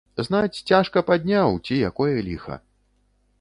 Знаць, цяжка падняў, ці якое ліха.